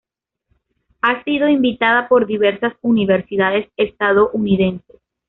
Ha sido invitada por diversas universidades estadounidenses.